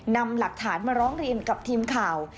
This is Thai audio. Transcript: นำหลักฐานมาร้องเรียนกับทีมข่าว